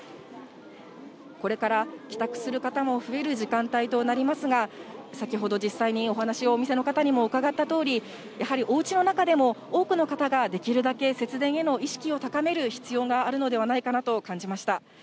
これから帰宅する方も増える時間帯となりますが、先ほど実際にお話をお店の方にも伺ったとおり、やはりおうちの中でも、多くの方ができるだけ節電への意識を高める必要があるのではないかなと感じました。